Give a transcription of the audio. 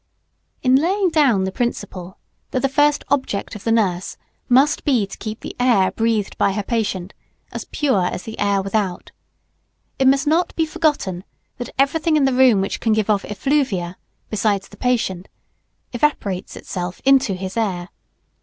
] In laying down the principle that this first object of the nurse must be to keep the air breathed by her patient as pure as the air without, it must not be forgotten that everything in the room which can give off effluvia, besides the patient, evaporates itself into his air.